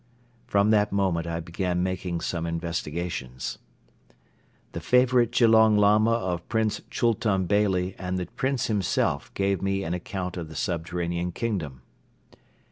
From that moment I began making some investigations. The favorite Gelong Lama of Prince Chultun Beyli and the Prince himself gave me an account of the subterranean kingdom.